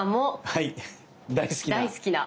はい大好きな。